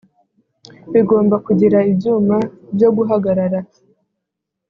bigomba kugira ibyuma byo guhagarara